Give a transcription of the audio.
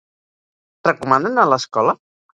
Recomana anar a l'escola?